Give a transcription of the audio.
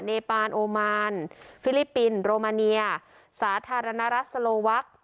ปานโอมานฟิลิปปินส์โรมาเนียสาธารณรัฐสโลวัก